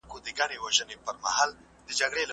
زه پرون د سبا لپاره د لغتونو زده کړه کوم وم.